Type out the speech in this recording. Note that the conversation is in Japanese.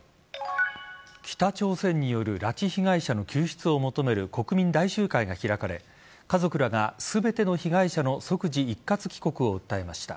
北朝鮮による拉致被害者の救出を求める国民大集会が開かれ家族らが、全ての被害者の即時一括帰国を訴えました。